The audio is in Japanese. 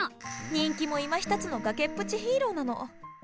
人気もいまひとつの崖っぷちヒーローなの。